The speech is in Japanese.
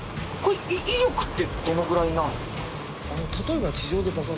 威力ってどのぐらいなんですか？